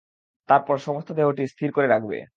তারপর সমস্ত দেহটি স্থির করে রাখবে।